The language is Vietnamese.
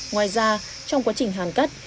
ngoài ra trong quá trình hàn cắt